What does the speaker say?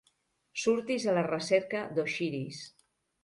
Surtis a la recerca d'Oxiris.